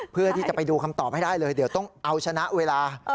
เพื่อที่จะไปดูคำตอบให้ได้เลยเดี๋ยวต้องเอาชนะเวลา